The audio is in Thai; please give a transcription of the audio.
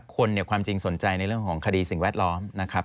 คนเนี่ยความจริงสนใจในเรื่องของคดีสิ่งแวดล้อมนะครับ